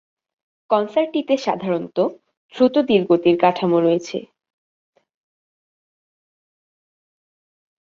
কনসার্টটিতে সাধারণত দ্রুত-ধীর-গতির কাঠামো রয়েছে।